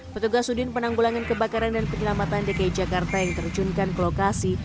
petugas udin penanggulangan kebakaran dan penyelamatan dki jakarta yang terjunkan ke lokasi